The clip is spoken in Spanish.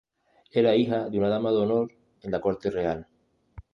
Era hija de una dama de honor en la Corte Real.